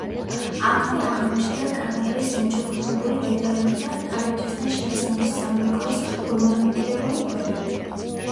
აქვე აღმოჩნდა კანკელის მოჩუქურთმებული დეტალები და კარიბჭესთან შერწყმული სამრეკლოს ორნამენტირებული ქვები.